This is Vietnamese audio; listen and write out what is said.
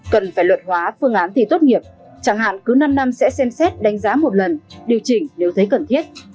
cần phải luật hóa phương án thi tốt nghiệp chẳng hạn cứ năm năm sẽ xem xét đánh giá một lần điều chỉnh nếu thấy cần thiết